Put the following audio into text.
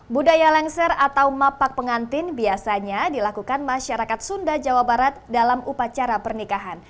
budaya lengser atau mapak pengantin biasanya dilakukan masyarakat sunda jawa barat dalam upacara pernikahan